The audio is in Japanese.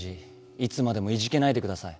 いつまでもイジけないでください。